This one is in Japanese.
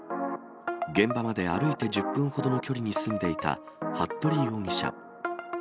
現場まで歩いて１０分ほどの距離に住んでいた服部容疑者。